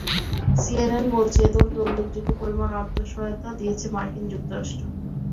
CNN বলছে, এ দলকে উল্লেখযোগ্য পরিমাণ অর্থসহায়তা দিয়েছে মার্কিন যুক্তরাষ্ট্র ।